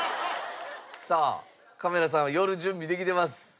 さあカメラさんは寄る準備できてます。